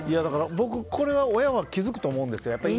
僕、親は気づくと思うんですよ。